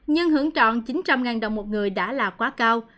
nhưng hưởng trọn chín trăm linh đồng một người đã là quá cao